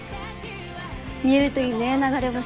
見えるといいね流れ星。